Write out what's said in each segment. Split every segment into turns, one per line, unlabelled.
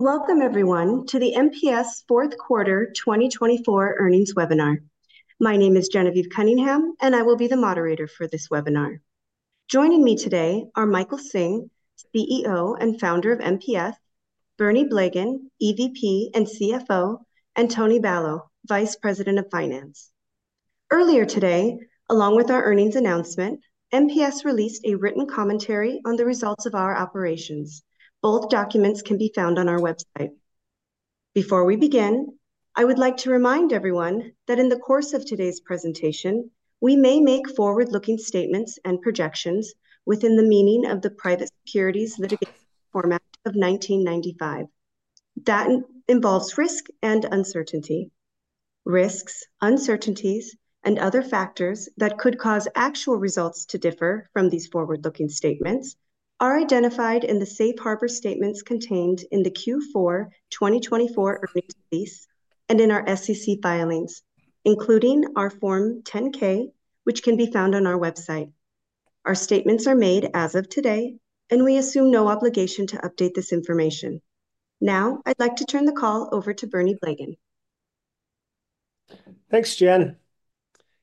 Welcome, everyone, to the MPS Fourth Quarter 2024 Earnings Webinar. My name is Genevieve Cunningham, and I will be the moderator for this webinar. Joining me today are Michael Hsing, CEO and founder of MPS; Bernie Blegen, EVP and CFO; and Tony Balow, Vice President of Finance. Earlier today, along with our earnings announcement, MPS released a written commentary on the results of our operations. Both documents can be found on our website. Before we begin, I would like to remind everyone that in the course of today's presentation, we may make forward-looking statements and projections within the meaning of the Private Securities Litigation Reform Act of 1995. That involves risk and uncertainty. Risks, uncertainties, and other factors that could cause actual results to differ from these forward-looking statements are identified in the Safe Harbor Statements contained in the Q4 2024 earnings release and in our SEC filings, including our Form 10-K, which can be found on our website. Our statements are made as of today, and we assume no obligation to update this information. Now, I'd like to turn the call over to Bernie Blegen.
Thanks, Jen.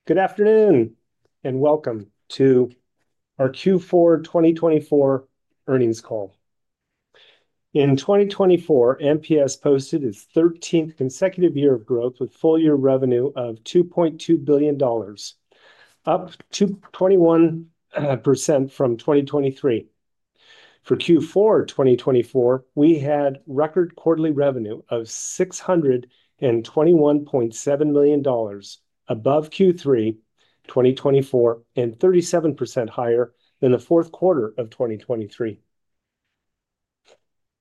Good afternoon and welcome to our Q4 2024 earnings call. In 2024, MPS posted its 13th consecutive year of growth with full-year revenue of $2.2 billion, up 21% from 2023. For Q4 2024, we had record quarterly revenue of $621.7 million above Q3 2024 and 37% higher than the fourth quarter of 2023.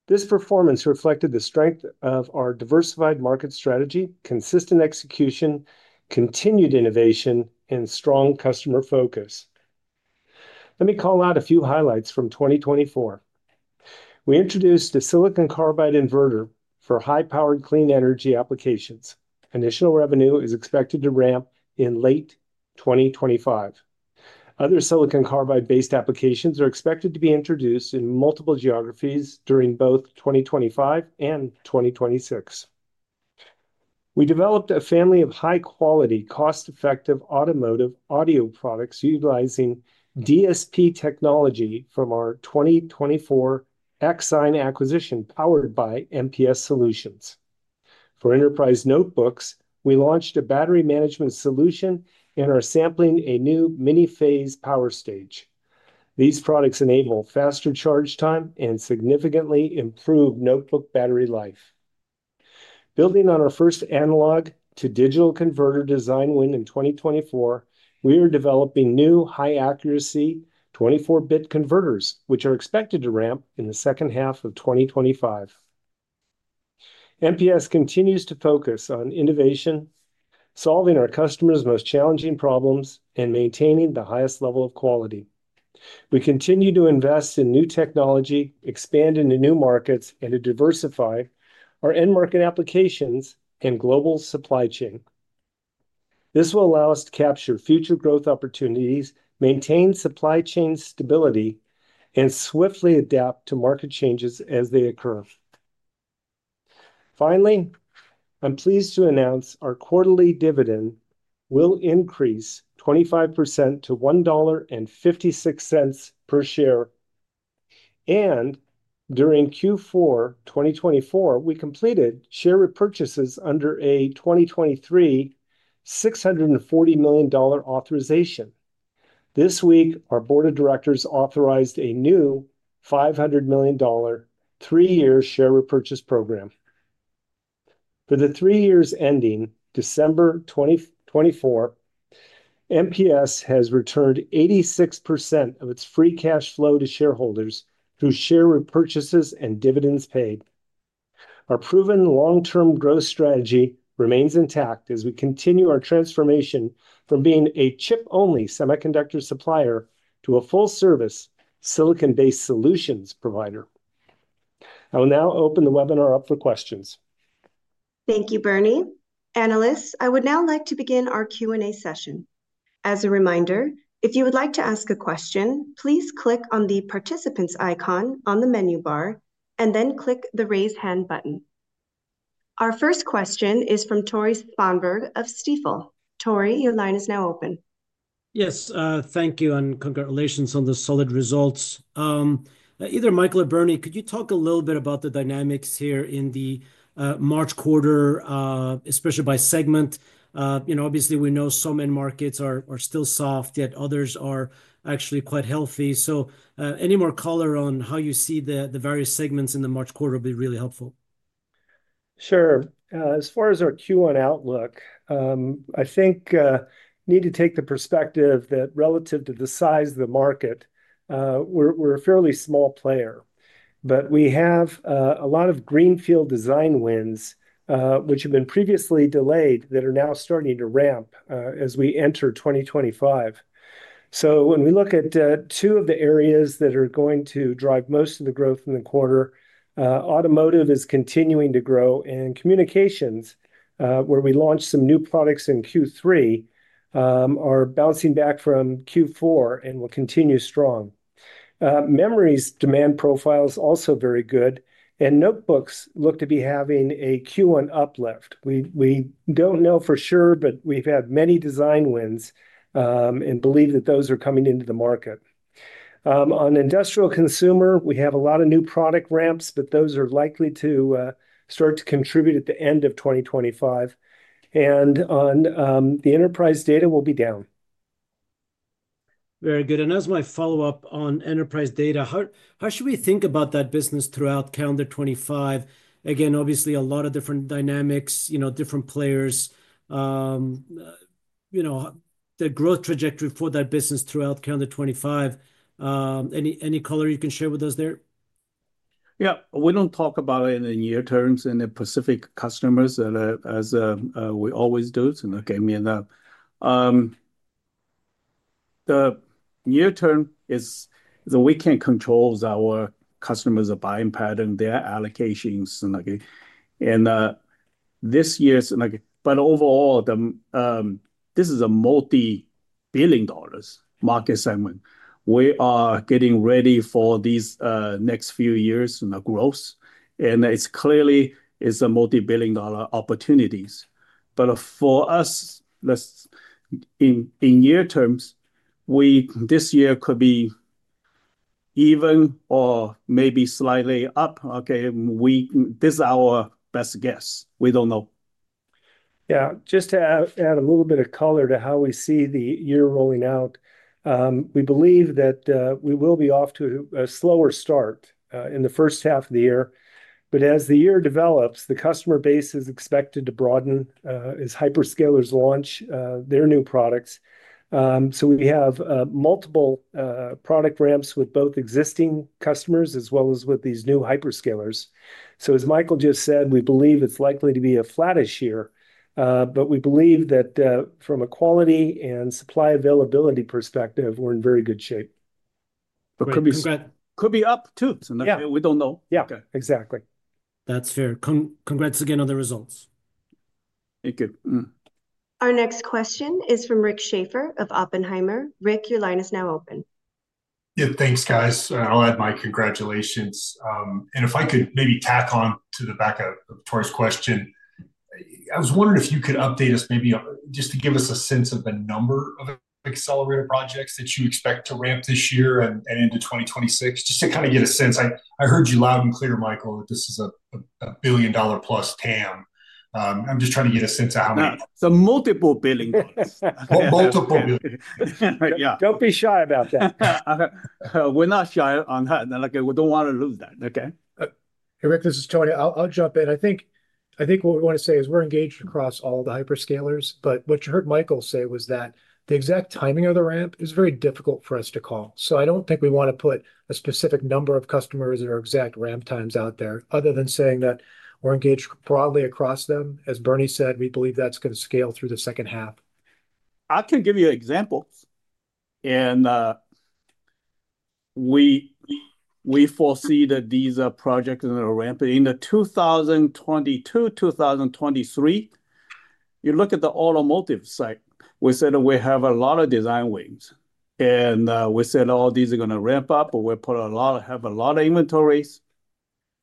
This performance reflected the strength of our diversified market strategy, consistent execution, continued innovation, and strong customer focus. Let me call out a few highlights from 2024. We introduced a silicon carbide inverter for high-powered clean energy applications. Additional revenue is expected to ramp in late 2025. Other silicon carbide-based applications are expected to be introduced in multiple geographies during both 2025 and 2026. We developed a family of high-quality, cost-effective automotive audio products utilizing DSP technology from our 2024 Axign acquisition powered by MPS Solutions. For enterprise notebooks, we launched a battery management solution and are sampling a new multi-phase power stage. These products enable faster charge time and significantly improve notebook battery life. Building on our first analog-to-digital converter design win in 2024, we are developing new high-accuracy 24-bit converters, which are expected to ramp in the second half of 2025. MPS continues to focus on innovation, solving our customers' most challenging problems, and maintaining the highest level of quality. We continue to invest in new technology, expand into new markets, and to diversify our end-market applications and global supply chain. This will allow us to capture future growth opportunities, maintain supply chain stability, and swiftly adapt to market changes as they occur. Finally, I'm pleased to announce our quarterly dividend will increase 25%-$1.56 per share and during Q4 2024, we completed share repurchases under a 2023 $640 million authorization. This week, our Board of Directors authorized a new $500 million three-year share repurchase program. For the three years ending December 2024, MPS has returned 86% of its free cash flow to shareholders through share repurchases and dividends paid. Our proven long-term growth strategy remains intact as we continue our transformation from being a chip-only semiconductor supplier to a full-service silicon-based solutions provider. I will now open the webinar up for questions.
Thank you, Bernie. Analysts, I would now like to begin our Q&A session. As a reminder, if you would like to ask a question, please click on the participants icon on the menu bar and then click the raise hand button. Our first question is from Tore Svanberg of Stifel. Tore, your line is now open.
Yes, thank you and congratulations on the solid results. Either Michael or Bernie, could you talk a little bit about the dynamics here in the March quarter, especially by segment? You know, obviously, we know some end markets are still soft, yet others are actually quite healthy. So any more color on how you see the various segments in the March quarter would be really helpful.
Sure. As far as our Q1 outlook, I think we need to take the perspective that relative to the size of the market, we're a fairly small player, but we have a lot of greenfield design wins which have been previously delayed that are now starting to ramp as we enter 2025, so when we look at two of the areas that are going to drive most of the growth in the quarter, automotive is continuing to grow, and communications, where we launched some new products in Q3, are bouncing back from Q4 and will continue strong. Memory's demand profile is also very good, and notebooks look to be having a Q1 uplift. We don't know for sure, but we've had many design wins and believe that those are coming into the market. On industrial consumer, we have a lot of new product ramps, but those are likely to start to contribute at the end of 2025, and on the enterprise data, we'll be down.
Very good. And as my follow-up on enterprise data, how should we think about that business throughout calendar 2025? Again, obviously, a lot of different dynamics, you know, different players. You know, the growth trajectory for that business throughout calendar 2025. Any color you can share with us there?
Yeah, we don't know the near term for the Asia Pacific customers as we always do. So give me a number. In the near term, we cannot control our customers' buying pattern, their allocations, and this year. But overall, this is a multi-billion-dollar market segment. We are getting ready for these next few years' growth, and it's clearly a multi-billion-dollar opportunities. But for us, in the near term, this year could be even or maybe slightly up. Okay, this is our best guess. We don't know.
Yeah, just to add a little bit of color to how we see the year rolling out, we believe that we will be off to a slower start in the first half of the year. But as the year develops, the customer base is expected to broaden, as hyperscalers launch their new products. So we have multiple product ramps with both existing customers as well as with these new hyperscalers. So as Michael just said, we believe it's likely to be a flattish year, but we believe that from a quality and supply availability perspective, we're in very good shape.
Could be up too. So we don't know.
Yeah, exactly.
That's fair. Congrats again on the results.
Thank you.
Our next question is from Rick Schafer of Oppenheimer. Rick, your line is now open.
Yep, thanks, guys. I'll add my congratulations. If I could maybe tack on to the back of Tore's question, I was wondering if you could update us maybe just to give us a sense of the number of accelerator projects that you expect to ramp this year and into 2026, just to kind of get a sense. I heard you loud and clear, Michael, that this is a billion-dollar-plus TAM. I'm just trying to get a sense of how many.
Multiple billion dollars.
Multiple billion.
Don't be shy about that.
We're not shy on that. We don't want to lose that. Okay.
Hey, Rick, this is Tony. I'll jump in. I think what we want to say is we're engaged across all the hyperscalers, but what you heard Michael say was that the exact timing of the ramp is very difficult for us to call. So I don't think we want to put a specific number of customers or exact ramp times out there other than saying that we're engaged broadly across them. As Bernie said, we believe that's going to scale through the second half.
I can give you an example, and we foresee that these projects are ramping in 2022, 2023. You look at the automotive side, we said we have a lot of design wins, and we said all these are going to ramp up. We have a lot of inventories,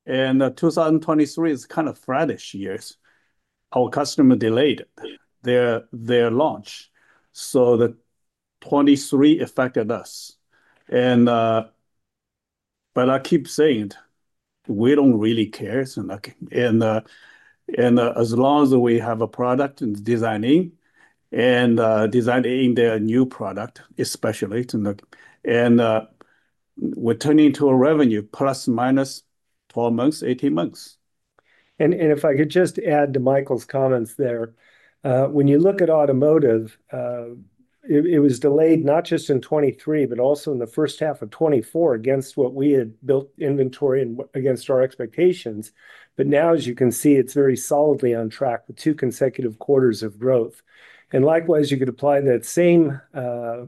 and 2023 is kind of a flattish year. Our customer delayed their launch, so 2023 affected us, but I keep saying we don't really care, and as long as we have a product and are designing their new product, especially, and we're turning that into revenue ±12 months, 18 months.
And if I could just add to Michael's comments there, when you look at automotive, it was delayed not just in 2023, but also in the first half of 2024 against what we had built inventory and against our expectations. But now, as you can see, it's very solidly on track with two consecutive quarters of growth. And likewise, you could apply that same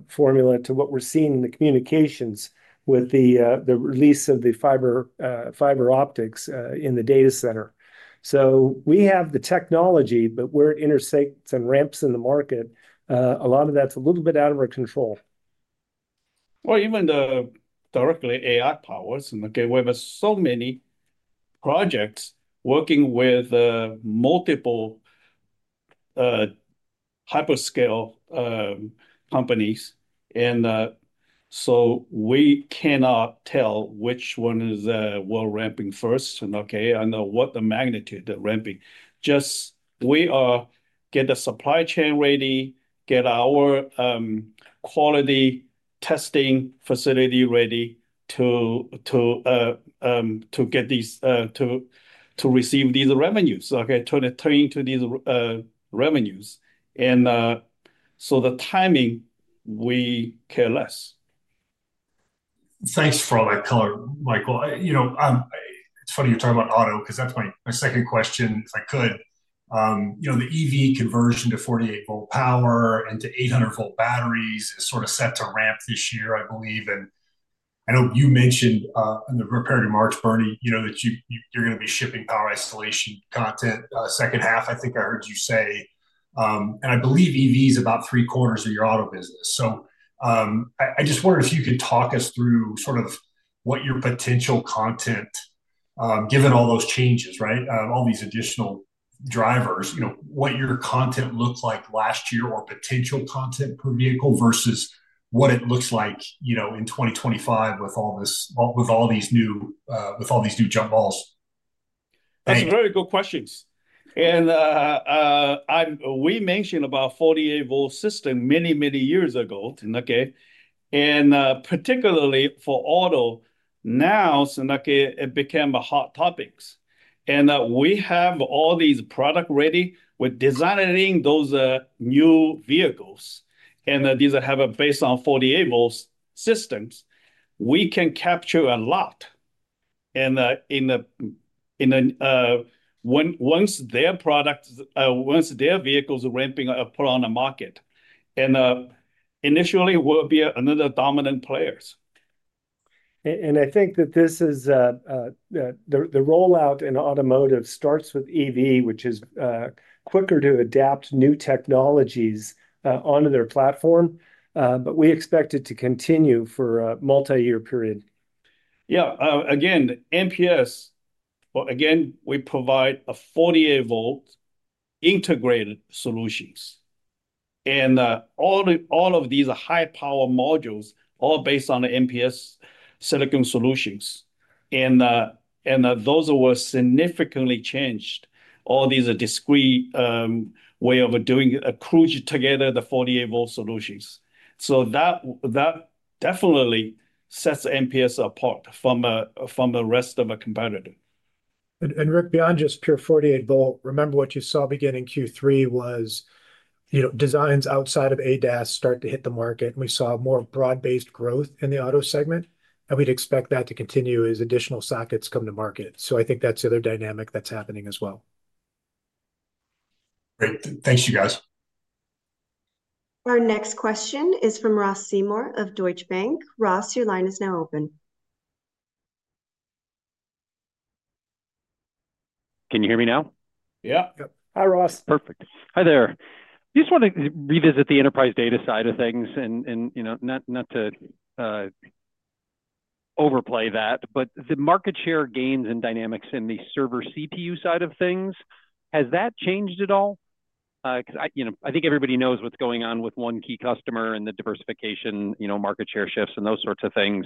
formula to what we're seeing in the communications with the release of the fiber optics in the data center. So we have the technology, but we're intersecting and ramping in the market. A lot of that's a little bit out of our control.
Even directly AI powers. We have so many projects working with multiple hyperscaler companies. And so we cannot tell which one is we're ramping first and what the magnitude of ramping. Just we get the supply chain ready, get our quality testing facility ready to get these to receive these revenues, turn into these revenues. And so the timing, we care less.
Thanks for all that color, Michael. You know, it's funny you're talking about auto because that's my second question, if I could. You know, the EV conversion to 48-volt power and to 800-volt batteries is sort of set to ramp this year, I believe. And I know you mentioned in the prepared remarks, Bernie, you know that you're going to be shipping power isolation content second half, I think I heard you say. And I believe EV is about three quarters of your auto business. So I just wondered if you could talk us through sort of what your potential content, given all those changes, right, all these additional drivers, you know, what your content looked like last year or potential content per vehicle versus what it looks like in 2025 with all these new jump balls.
That's a very good question. And we mentioned about 48-volt system many, many years ago. And particularly for auto now, it became a hot topic. And we have all these products ready. We're designing those new vehicles. And these have a base on 48-volt systems. We can capture a lot. And once their vehicles are ramping up on the market, initially, we'll be another dominant players.
And I think that this is the rollout in automotive starts with EV, which is quicker to adapt new technologies onto their platform. But we expect it to continue for a multi-year period.
Yeah, again, MPS, again, we provide a 48-volt integrated solutions. And all of these high-power modules are based on the MPS silicon solutions. And those were significantly changed, all these discrete ways of doing across together, the 48-volt solutions. So that definitely sets MPS apart from the rest of our competitor.
And Rick, beyond just pure 48-volt, remember what you saw beginning Q3 was designs outside of ADAS start to hit the market. We saw more broad-based growth in the auto segment. And we'd expect that to continue as additional sockets come to market. So I think that's the other dynamic that's happening as well.
Great. Thanks, you guys.
Our next question is from Ross Seymore of Deutsche Bank. Ross, your line is now open.
Can you hear me now?
Yeah. Hi, Ross.
Perfect. Hi there. I just want to revisit the enterprise data side of things, and not to overplay that, but the market share gains and dynamics in the server CPU side of things, has that changed at all? I think everybody knows what's going on with one key customer and the diversification, market share shifts, and those sorts of things,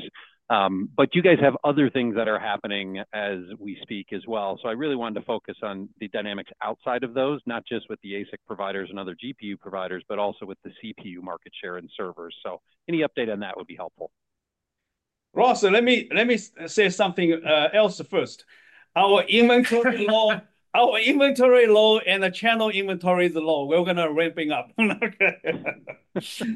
but you guys have other things that are happening as we speak as well, so I really wanted to focus on the dynamics outside of those, not just with the ASIC providers and other GPU providers, but also with the CPU market share and servers. So any update on that would be helpful.
Ross, let me say something else first. Our inventory level and the channel inventory is low. We're going to ramp up.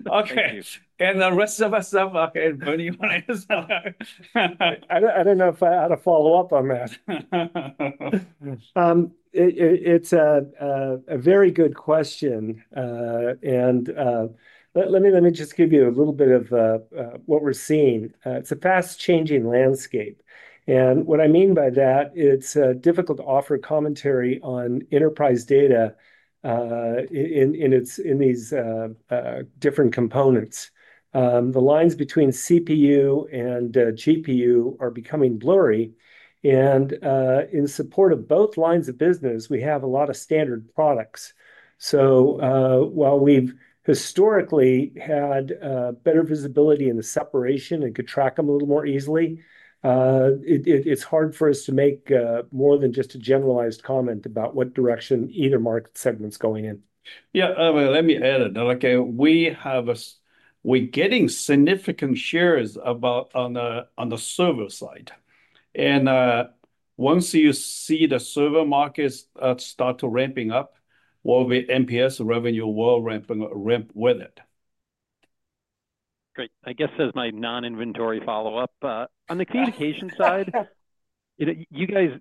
Okay. And the rest is, okay, Bernie wanted to say.
I didn't know if I had a follow-up on that. It's a very good question. And let me just give you a little bit of what we're seeing. It's a fast-changing landscape. And what I mean by that, it's difficult to offer commentary on enterprise data in these different components. The lines between CPU and GPU are becoming blurry. And in support of both lines of business, we have a lot of standard products. So while we've historically had better visibility in the separation and could track them a little more easily, it's hard for us to make more than just a generalized comment about what direction either market segment's going in.
Yeah, let me add it. We're getting significant shares on the server side. Once you see the server markets start to ramp up, well, the MPS revenue will ramp with it.
Great. I guess as my non-inventory follow-up, on the communication side, you guys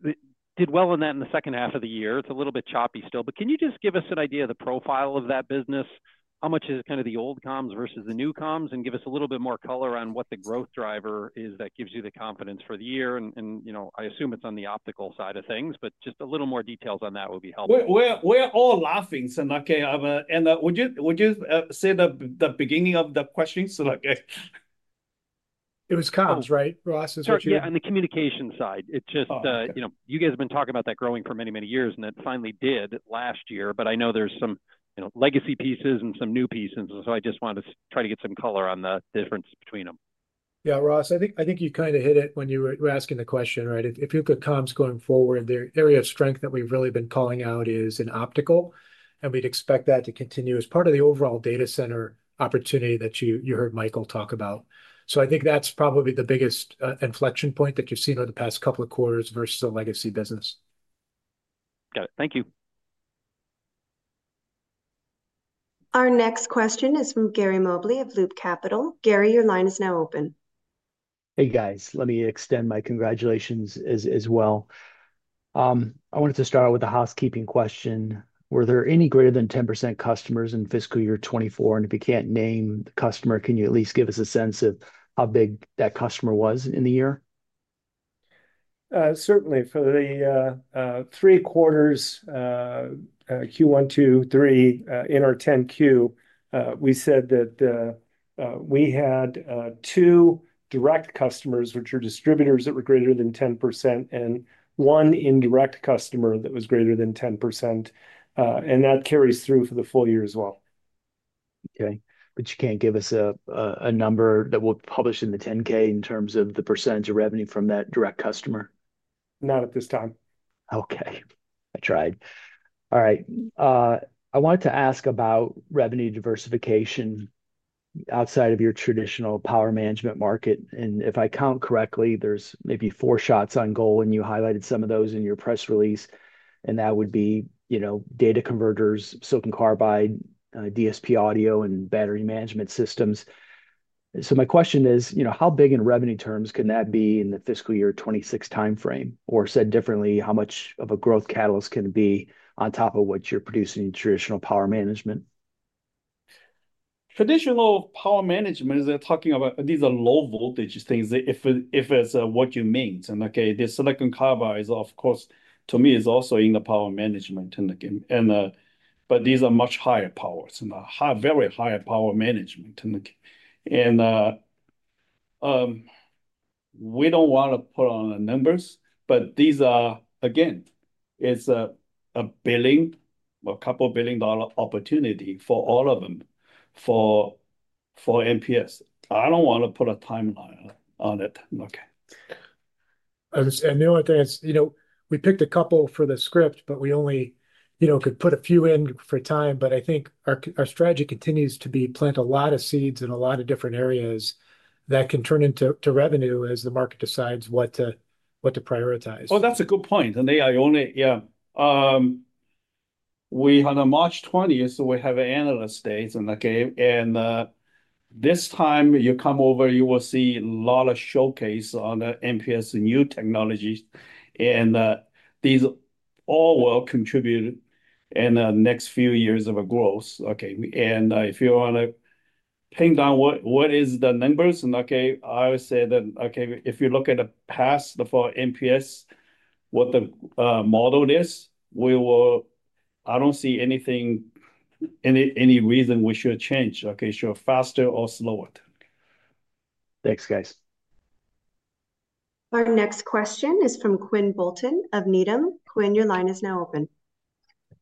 did well on that in the second half of the year. It's a little bit choppy still, but can you just give us an idea of the profile of that business? How much is kind of the old comms versus the new comms? And give us a little bit more color on what the growth driver is that gives you the confidence for the year. And I assume it's on the optical side of things, but just a little more details on that would be helpful.
We're all laughing, and would you say the beginning of the questions?
It was comms, right? Ross is what you meant.
Yeah, on the communication side. It's just you guys have been talking about that growing for many, many years, and it finally did last year. But I know there's some legacy pieces and some new pieces. And so I just wanted to try to get some color on the difference between them.
Yeah, Ross, I think you kind of hit it when you were asking the question, right? If you look at comms going forward, the area of strength that we've really been calling out is in optical. And we'd expect that to continue as part of the overall data center opportunity that you heard Michael talk about. So I think that's probably the biggest inflection point that you've seen over the past couple of quarters versus the legacy business.
Got it. Thank you.
Our next question is from Gary Mobley of Loop Capital. Gary, your line is now open.
Hey, guys. Let me extend my congratulations as well. I wanted to start out with a housekeeping question. Were there any greater than 10% customers in fiscal year 2024? And if you can't name the customer, can you at least give us a sense of how big that customer was in the year?
Certainly. For the three quarters, Q1, Q2, Q3, in our 10-Q, we said that we had two direct customers, which are distributors that were greater than 10%, and that carries through for the full year as well.
Okay. But you can't give us a number that we'll publish in the 10-K in terms of the percentage of revenue from that direct customer?
Not at this time.
Okay. I tried. All right. I wanted to ask about revenue diversification outside of your traditional power management market. And if I count correctly, there's maybe four shots on goal, and you highlighted some of those in your press release. And that would be data converters, silicon carbide, DSP audio, and battery management systems. So my question is, how big in revenue terms can that be in the fiscal year 2026 timeframe? Or said differently, how much of a growth catalyst can it be on top of what you're producing in traditional power management?
Traditional power management, they're talking about these are low-voltage things if it's what you mean. And the silicon carbide, of course, to me, is also in the power management. But these are much higher powers, very higher power management. And we don't want to put on the numbers, but these are, again, it's $1 billion, a couple of billion dollar opportunity for all of them for MPS. I don't want to put a timeline on it.
And the only thing is, we picked a couple for the script, but we only could put a few in for time. But I think our strategy continues to be plant a lot of seeds in a lot of different areas that can turn into revenue as the market decides what to prioritize.
Oh, that's a good point. And the Ionic, yeah. We had a March 20th, so we have an analyst day. And this time, you come over, you will see a lot of showcase on the MPS new technologies. And these all will contribute in the next few years of growth. And if you want to pin down what is the numbers, I would say that if you look at the past for MPS, what the model is, I don't see any reason we should change, whether faster or slower.
Thanks, guys.
Our next question is from Quinn Bolton of Needham. Quinn, your line is now open.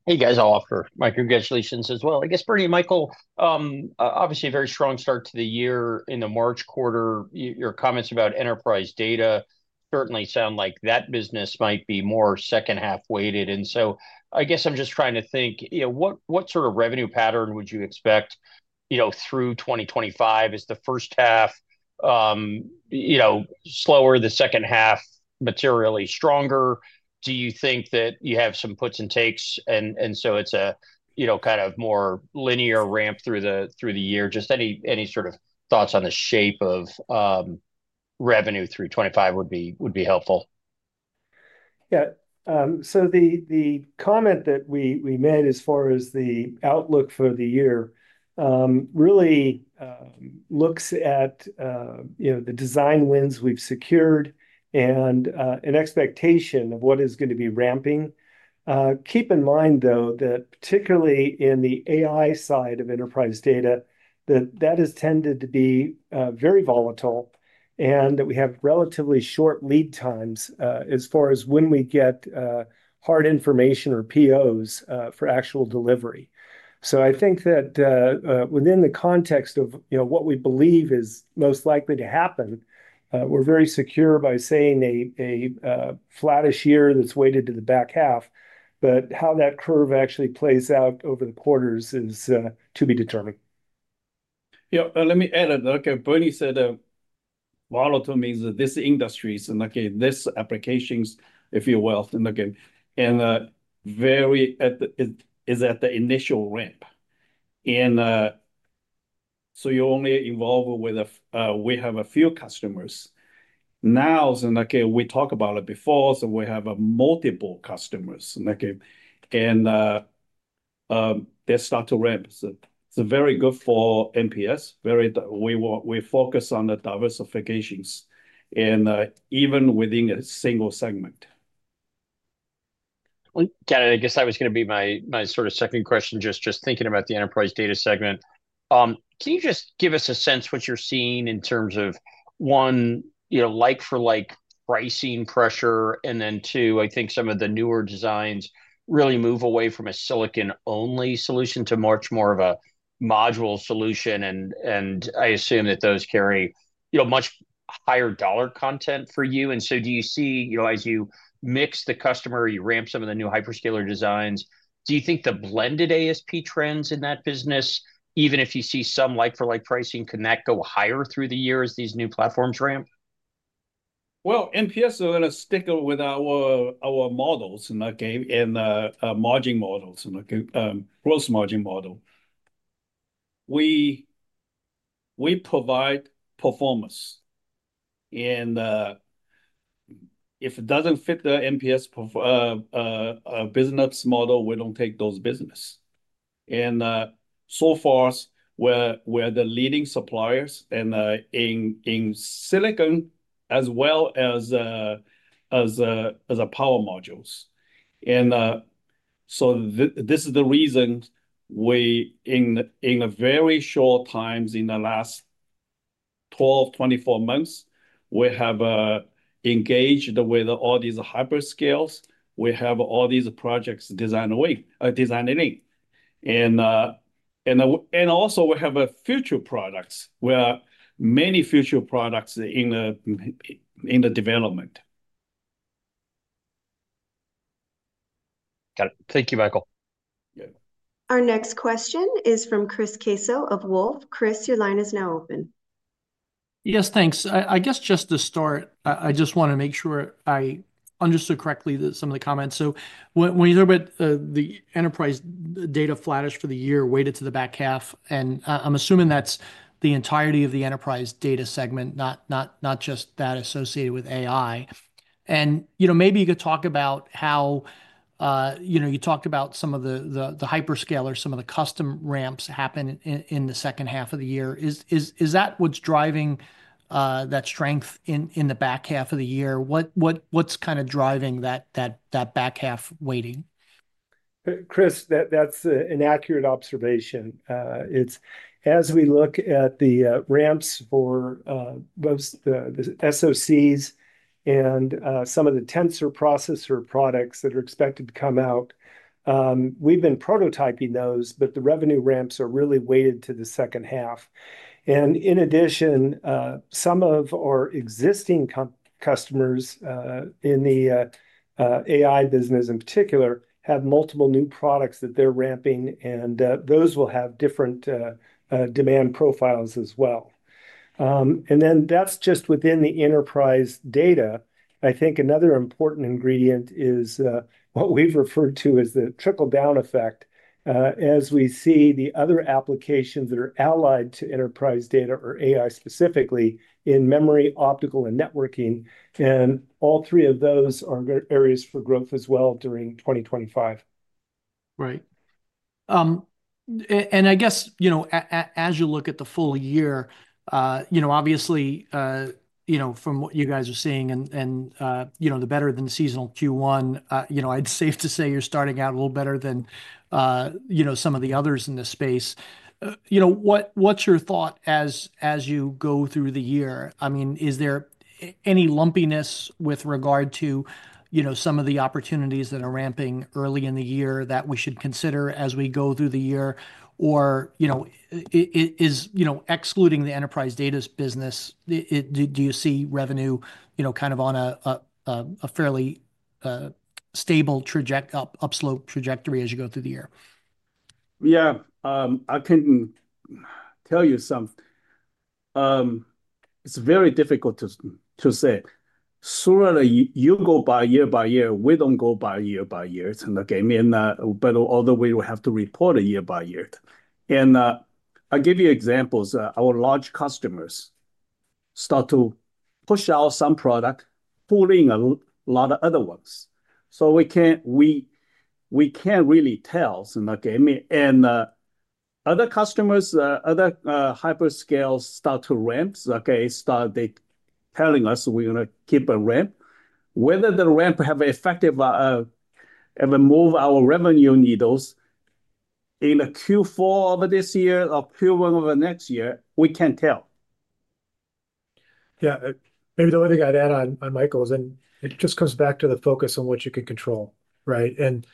Hey, guys. I'll offer my congratulations as well. I guess, Bernie, Michael, obviously, a very strong start to the year in the March quarter. Your comments about enterprise data certainly sound like that business might be more second half weighted. And so I guess I'm just trying to think, what sort of revenue pattern would you expect through 2025? Is the first half slower, the second half materially stronger? Do you think that you have some puts and takes? And so it's a kind of more linear ramp through the year. Just any sort of thoughts on the shape of revenue through 2025 would be helpful.
Yeah. So the comment that we made as far as the outlook for the year really looks at the design wins we've secured and an expectation of what is going to be ramping. Keep in mind, though, that particularly in the AI side of enterprise data, that has tended to be very volatile and that we have relatively short lead times as far as when we get hard information or POs for actual delivery. So I think that within the context of what we believe is most likely to happen, we're very secure by saying a flattish year that's weighted to the back half. But how that curve actually plays out over the quarters is to be determined.
Yeah. Let me add it. Bernie said volatile means this industry and this applications, if you will. And it is at the initial ramp. And so you're only involved with a we have a few customers now. And we talked about it before. So we have multiple customers. And they start to ramp. So it's very good for MPS. We focus on the diversifications and even within a single segment.
Got it. I guess that was going to be my sort of second question, just thinking about the enterprise data segment. Can you just give us a sense of what you're seeing in terms of, one, like-for-like pricing pressure, and then, two, I think some of the newer designs really move away from a silicon-only solution to much more of a module solution. And I assume that those carry much higher dollar content for you. And so do you see as you mix the customer, you ramp some of the new hyperscaler designs, do you think the blended ASP trends in that business, even if you see some like-for-like pricing, can that go higher through the year as these new platforms ramp?
MPS are going to stick with our models and our margin models, gross margin model. We provide performance. And if it doesn't fit the MPS business model, we don't take those business. And so far, we're the leading suppliers in silicon as well as power modules. And so this is the reason we, in very short time, in the last 12-24 months, we have engaged with all these hyperscalers. We have all these projects designed in line. And also, we have future products. We have many future products in the development.
Got it. Thank you, Michael.
Our next question is from Chris Caso of Wolfe. Chris, your line is now open.
Yes, thanks. I guess just to start, I just want to make sure I understood correctly some of the comments. So when you hear about the enterprise data flattish for the year weighted to the back half, and I'm assuming that's the entirety of the enterprise data segment, not just that associated with AI. And maybe you could talk about how you talked about some of the hyperscalers, some of the custom ramps happen in the second half of the year. Is that what's driving that strength in the back half of the year? What's kind of driving that back half weighting?
Chris, that's an accurate observation. As we look at the ramps for most of the SoCs and some of the tensor processor products that are expected to come out, we've been prototyping those, but the revenue ramps are really weighted to the second half. In addition, some of our existing customers in the AI business in particular have multiple new products that they're ramping, and those will have different demand profiles as well. That's just within the enterprise data. I think another important ingredient is what we've referred to as the trickle-down effect as we see the other applications that are allied to enterprise data or AI specifically in memory, optical, and networking. All three of those are areas for growth as well during 2025.
Right. And I guess as you look at the full year, obviously, from what you guys are seeing and the better than seasonal Q1, I'd say you're starting out a little better than some of the others in this space. What's your thought as you go through the year? I mean, is there any lumpiness with regard to some of the opportunities that are ramping early in the year that we should consider as we go through the year? Or excluding the enterprise data business, do you see revenue kind of on a fairly stable upslope trajectory as you go through the year?
Yeah. I can tell you something. It's very difficult to say. Surely, you go by year by year. We don't go by year by year. But although we will have to report it year by year. And I'll give you examples. Our large customers start to push out some product, pulling a lot of other ones. So we can't really tell. And other customers, other hyperscalers start to ramp. They're telling us we're going to keep a ramp. Whether the ramp has effectively moved our revenue needles in Q4 of this year or Q1 of next year, we can't tell.
Yeah. Maybe the only thing I'd add on Michael's is it just comes back to the focus on what you can control, right? And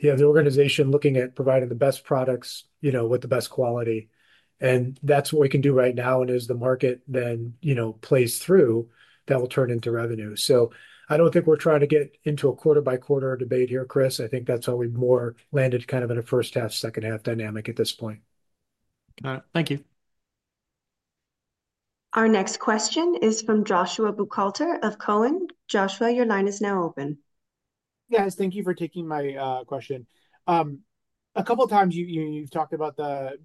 the organization looking at providing the best products with the best quality. And that's what we can do right now. And as the market then plays through, that will turn into revenue. So I don't think we're trying to get into a quarter-by-quarter debate here, Chris. I think that's how we more landed kind of in a first-half, second-half dynamic at this point.
Got it. Thank you.
Our next question is from Joshua Buchalter of Cowen. Joshua, your line is now open.
Yeah. Thank you for taking my question. A couple of times, you've talked about the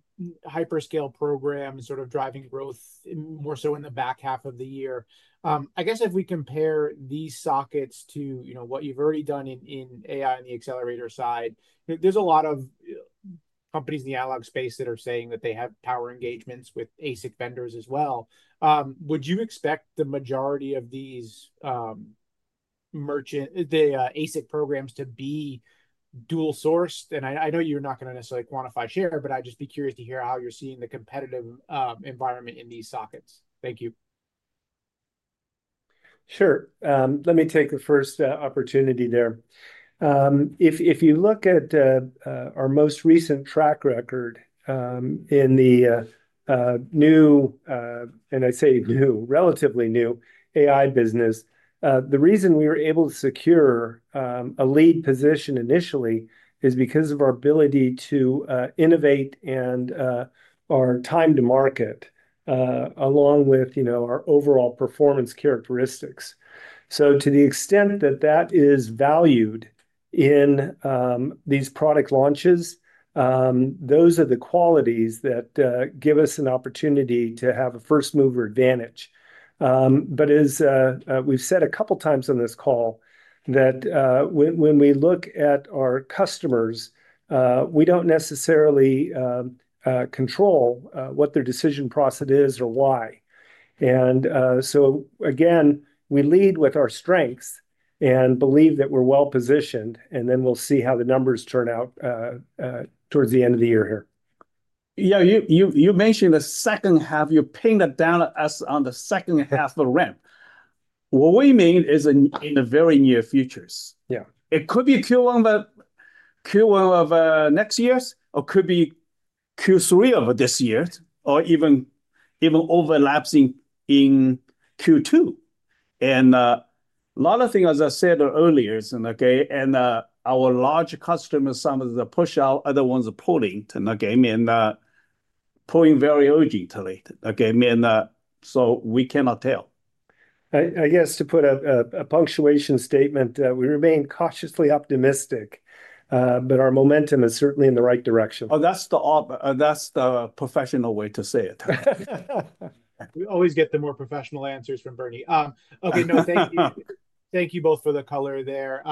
hyperscale program sort of driving growth more so in the back half of the year. I guess if we compare these sockets to what you've already done in AI on the accelerator side, there's a lot of companies in the analog space that are saying that they have power engagements with ASIC vendors as well. Would you expect the majority of the ASIC programs to be dual-sourced? And I know you're not going to necessarily quantify share, but I'd just be curious to hear how you're seeing the competitive environment in these sockets. Thank you.
Sure. Let me take the first opportunity there. If you look at our most recent track record in the new, and I say new, relatively new AI business, the reason we were able to secure a lead position initially is because of our ability to innovate and our time to market along with our overall performance characteristics. So to the extent that that is valued in these product launches, those are the qualities that give us an opportunity to have a first-mover advantage. But as we've said a couple of times on this call, that when we look at our customers, we don't necessarily control what their decision process is or why. And so again, we lead with our strengths and believe that we're well-positioned, and then we'll see how the numbers turn out towards the end of the year here.
Yeah. You mentioned the second half. You pinned it down on the second half of the ramp. What we mean is in the very near future. It could be Q1 of next year or could be Q3 of this year or even overlapping in Q2. And a lot of things, as I said earlier, and our large customers, some of the push-out, other ones are pulling and pulling very urgently. So we cannot tell.
I guess to put a punctuating statement, we remain cautiously optimistic, but our momentum is certainly in the right direction.
Oh, that's the professional way to say it.
We always get the more professional answers from Bernie. Okay. No, thank you. Thank you both for the color there.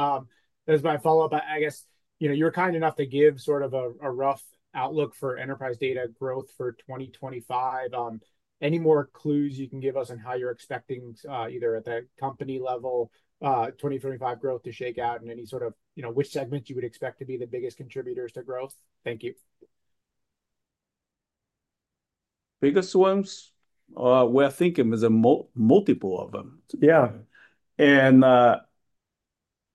As my follow-up, I guess you were kind enough to give sort of a rough outlook for enterprise data growth for 2025. Any more clues you can give us on how you're expecting either at the company level 2025 growth to shake out and any sort of which segments you would expect to be the biggest contributors to growth? Thank you.
Biggest ones? We're thinking there's multiple of them.
Yeah.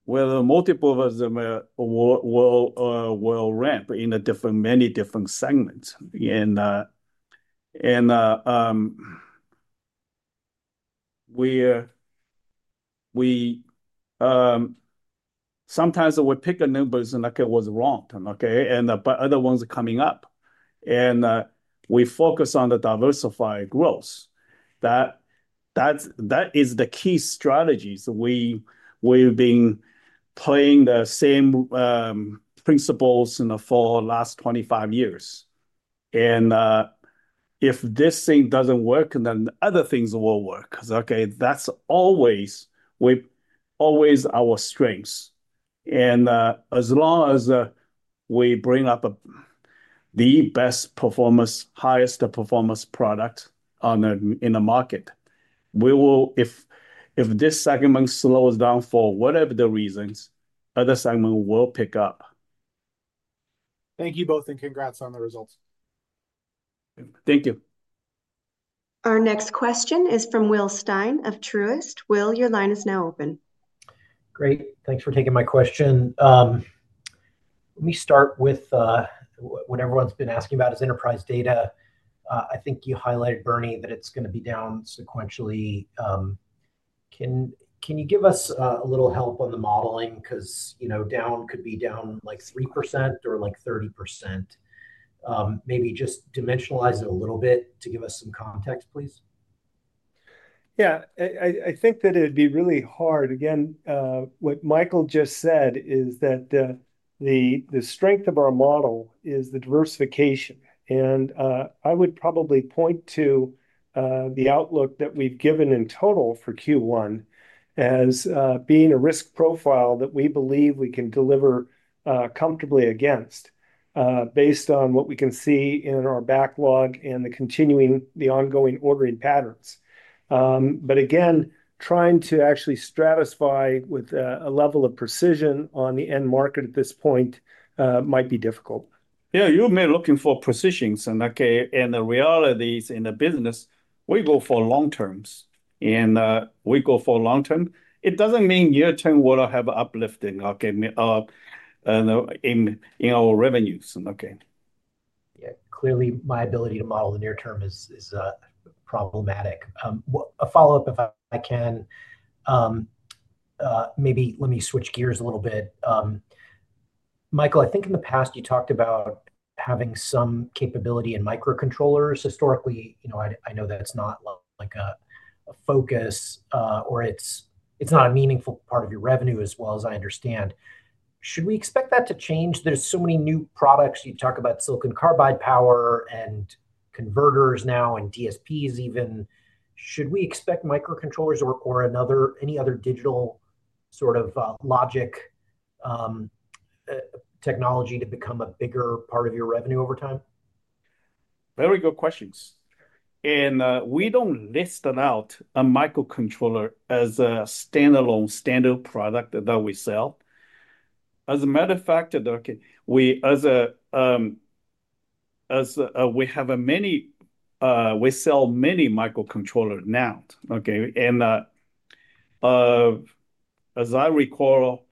We're multiple of them will ramp in many different segments. Sometimes we pick numbers and it was wrong, but other ones are coming up. We focus on the diversified growth. That is the key strategies we've been playing the same principles for the last 25 years. If this thing doesn't work, then other things will work. That's always our strengths. As long as we bring up the best performance, highest performance product in the market, if this segment slows down for whatever the reasons, other segments will pick up.
Thank you both, and congrats on the results.
Thank you.
Our next question is from Will Stein of Truist. Will, your line is now open.
Great. Thanks for taking my question. Let me start with what everyone's been asking about is enterprise data. I think you highlighted, Bernie, that it's going to be down sequentially. Can you give us a little help on the modeling? Because down could be down like 3% or like 30%. Maybe just dimensionalize it a little bit to give us some context, please.
Yeah. I think that it'd be really hard. Again, what Michael just said is that the strength of our model is the diversification. And I would probably point to the outlook that we've given in total for Q1 as being a risk profile that we believe we can deliver comfortably against based on what we can see in our backlog and the ongoing ordering patterns. But again, trying to actually stratify with a level of precision on the end market at this point might be difficult.
Yeah. You may be looking for precisions. And the reality is in the business, we go for long-terms. And we go for long-term. It doesn't mean near-term will have uplifting in our revenues.
Yeah. Clearly, my ability to model the near-term is problematic. A follow-up, if I can, maybe let me switch gears a little bit. Michael, I think in the past, you talked about having some capability in microcontrollers. Historically, I know that's not a focus or it's not a meaningful part of your revenue as well as I understand. Should we expect that to change? There's so many new products. You talk about silicon carbide power and converters now and DSPs even. Should we expect microcontrollers or any other digital sort of logic technology to become a bigger part of your revenue over time?
Very good questions, and we don't list out a microcontroller as a standalone standard product that we sell. As a matter of fact, we sell many microcontrollers now. And as I recall,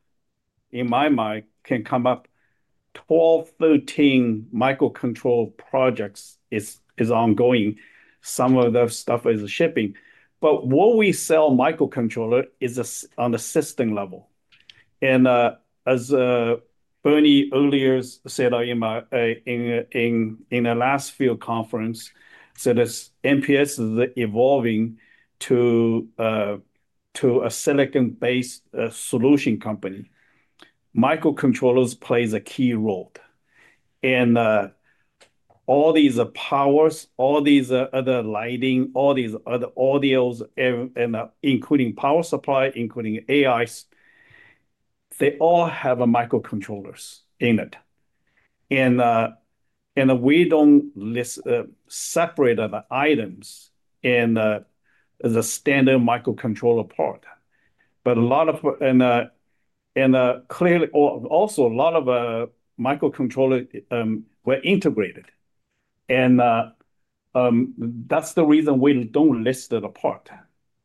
in my mind, I can come up with 12, 13 microcontroller projects that are ongoing. Some of that stuff is shipping. But what we sell, microcontrollers, is on the system level. And as Bernie earlier said in the last field conference, MPS is evolving to a silicon-based solution company. Microcontrollers play a key role. And all these powers, all these other lighting, all these other audios, including power supply, including AIs, they all have microcontrollers in it. And we don't separate the items in the standard microcontroller part. But a lot of, and clearly, also a lot of microcontrollers were integrated. And that's the reason we don't list it apart.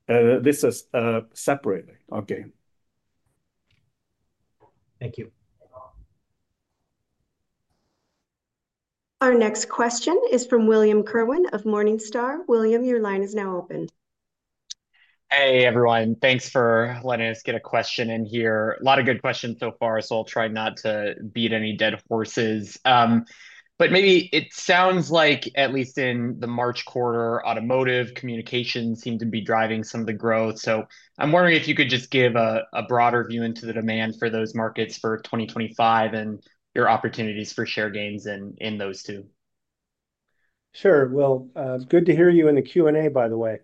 This is separately. Okay.
Thank you.
Our next question is from William Kerwin of Morningstar. William, your line is now open.
Hey, everyone. Thanks for letting us get a question in here. A lot of good questions so far, so I'll try not to beat any dead horses. But maybe it sounds like, at least in the March quarter, automotive communications seem to be driving some of the growth. So I'm wondering if you could just give a broader view into the demand for those markets for 2025 and your opportunities for share gains in those two?
Sure. Well, good to hear you in the Q&A, by the way.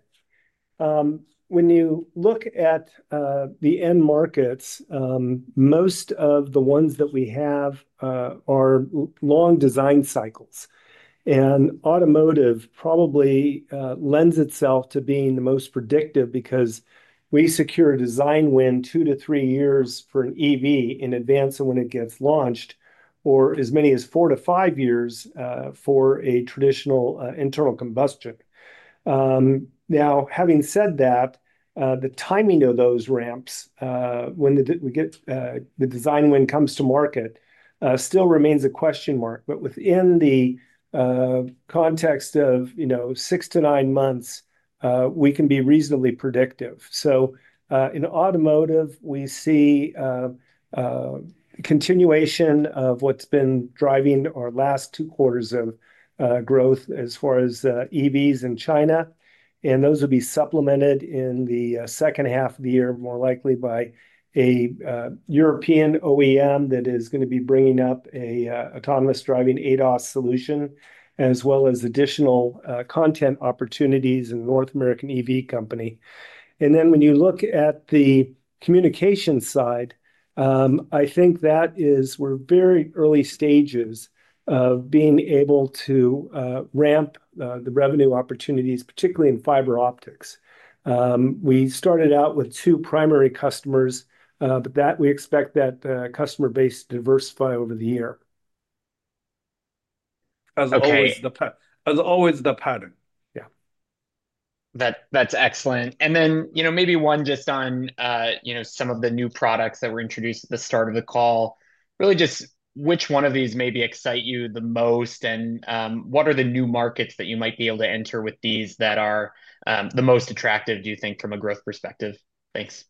When you look at the end markets, most of the ones that we have are long design cycles. And automotive probably lends itself to being the most predictive because we secure a design win two to three years for an EV in advance of when it gets launched, or as many as four to five years for a traditional internal combustion. Now, having said that, the timing of those ramps, when the design win comes to market, still remains a question mark. But within the context of six to nine months, we can be reasonably predictive. So in automotive, we see continuation of what's been driving our last two quarters of growth as far as EVs in China. Those will be supplemented in the second half of the year, more likely by a European OEM that is going to be bringing up an autonomous driving ADAS solution, as well as additional content opportunities in a North American EV company. Then when you look at the communication side, I think that we're very early stages of being able to ramp the revenue opportunities, particularly in fiber optics. We started out with two primary customers, but we expect that customer base to diversify over the year.
As always the pattern.
Yeah. That's excellent. And then maybe one just on some of the new products that were introduced at the start of the call. Really just which one of these maybe excite you the most? And what are the new markets that you might be able to enter with these that are the most attractive, do you think, from a growth perspective? Thanks.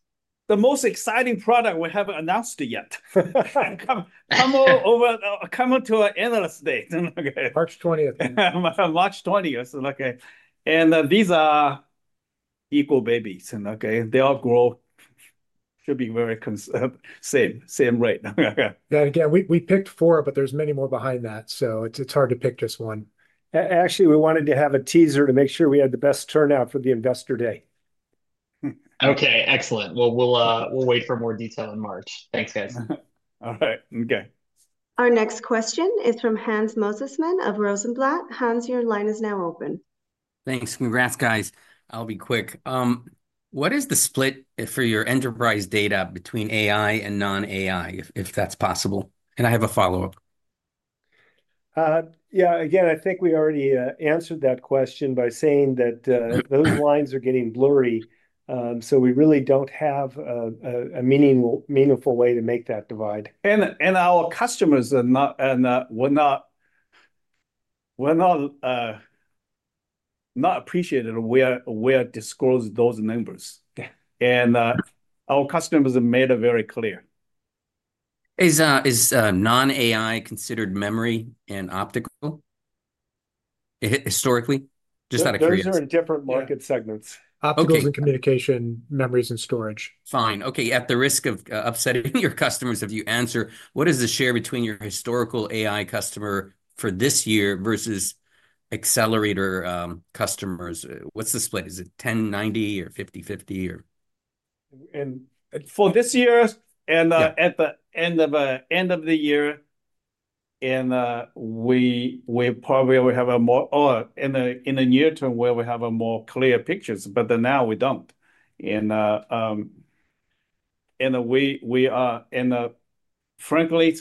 The most exciting product we haven't announced yet. Come on to our analyst day.
March 20th.
March 20th. And these are equal babies. They all grow should be very same rate.
Again, we picked four, but there's many more behind that. So it's hard to pick just one.
Actually, we wanted to have a teaser to make sure we had the best turnout for the investor day.
Okay. Excellent. Well, we'll wait for more detail in March. Thanks, guys.
All right. Okay.
Our next question is from Hans Mosesmann of Rosenblatt. Hans, your line is now open.
Thanks. Congrats, guys. I'll be quick. What is the split for your enterprise data between AI and non-AI, if that's possible? And I have a follow-up.
Yeah. Again, I think we already answered that question by saying that those lines are getting blurry. So we really don't have a meaningful way to make that divide.
Our customers will not appreciate it where we disclose those numbers. Our customers have made it very clear.
Is non-AI considered memory and optical historically? Just out of curiosity.
Those are in different market segments. Opticals and communication, memories, and storage.
Fine. Okay. At the risk of upsetting your customers, if you answer, what is the share between your historical AI customer for this year versus accelerator customers? What's the split? Is it 10/90 or 50/50 or?
For this year and at the end of the year, we probably will have a more in the near term where we have more clear pictures, but now we don't, and we are, frankly,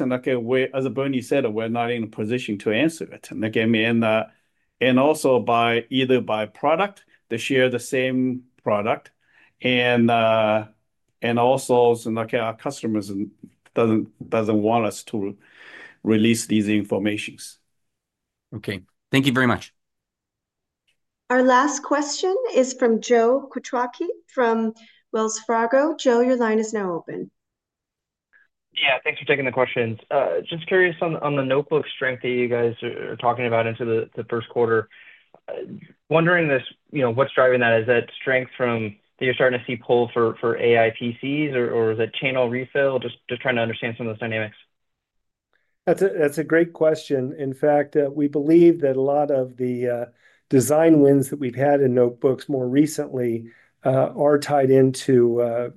as Bernie said, we're not in a position to answer it, and also either by product, they share the same product, and also, our customers don't want us to release these information.
Okay. Thank you very much.
Our last question is from Joe Quattrocchi from Wells Fargo. Joe, your line is now open.
Yeah. Thanks for taking the questions. Just curious on the notebook strength that you guys are talking about into the first quarter. Wondering what's driving that? Is that strength that you're starting to see pull for AI PCs, or is that channel refill? Just trying to understand some of those dynamics.
That's a great question. In fact, we believe that a lot of the design wins that we've had in notebooks more recently are tied into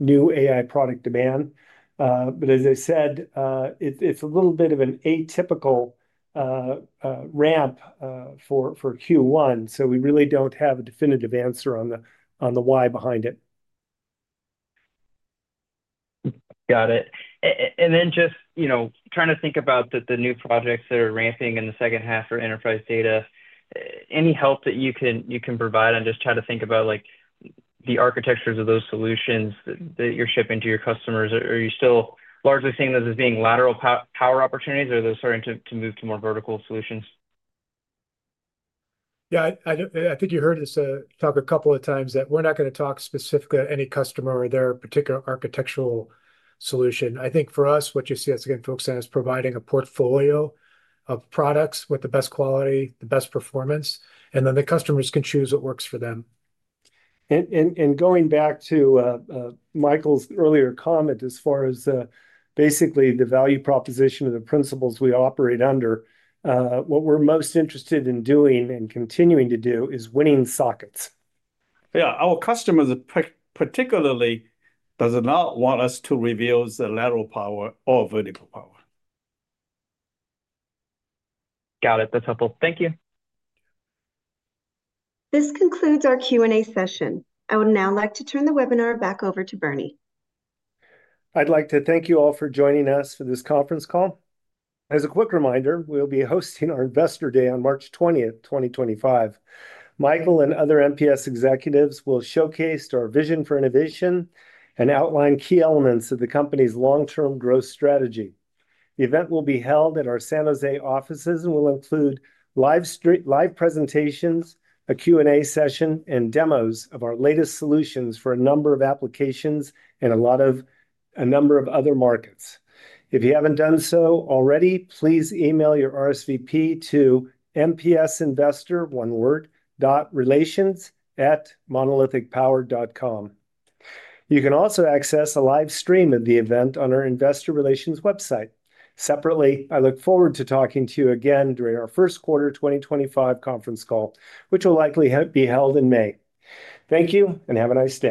new AI product demand. But as I said, it's a little bit of an atypical ramp for Q1. So we really don't have a definitive answer on the why behind it.
Got it, and then just trying to think about the new projects that are ramping in the second half for enterprise data. Any help that you can provide on just trying to think about the architectures of those solutions that you're shipping to your customers? Are you still largely seeing those as being lateral power opportunities, or are those starting to move to more vertical solutions?
Yeah. I think you heard us talk a couple of times that we're not going to talk specifically to any customer or their particular architectural solution. I think for us, what you see us getting focused on is providing a portfolio of products with the best quality, the best performance, and then the customers can choose what works for them.
Going back to Michael's earlier comment as far as basically the value proposition of the principles we operate under, what we're most interested in doing and continuing to do is winning sockets.
Yeah. Our customers particularly do not want us to reveal the lateral power or vertical power.
Got it. That's helpful. Thank you.
This concludes our Q&A session. I would now like to turn the webinar back over to Bernie.
I'd like to thank you all for joining us for this conference call. As a quick reminder, we'll be hosting our Investor Day on March 20th, 2025. Michael and other MPS executives will showcase our vision for innovation and outline key elements of the company's long-term growth strategy. The event will be held at our San Jose offices and will include live presentations, a Q&A session, and demos of our latest solutions for a number of applications and a number of other markets. If you haven't done so already, please email your RSVP to mpsinvestorrelations@monolithicpower.com. You can also access a live stream of the event on our Investor Relations website. Separately, I look forward to talking to you again during our first quarter 2025 conference call, which will likely be held in May. Thank you and have a nice day.